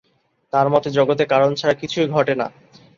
তার মতে, জগতে কারণ ছাড়া কিছুই ঘটে না।